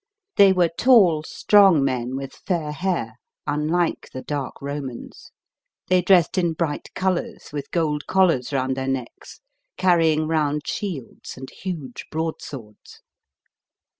They were tall, strong men with fair hair, unlike the dark Romans. They dressed in bright colours, with gold collars round their necks, carrying round shields and huge broadswords.